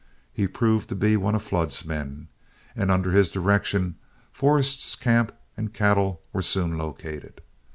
He proved to be one of Flood's men, and under his direction Forrest's camp and cattle were soon located.